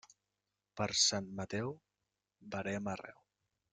Per Sant Mateu, verema arreu.